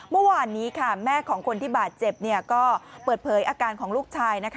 เมื่อวานนี้ค่ะแม่ของคนที่บาดเจ็บก็เปิดเผยอาการของลูกชาย